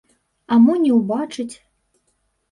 А мо не ўбачыць!